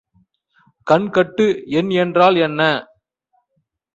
கண்கட்டு எண் என்றால் என்ன?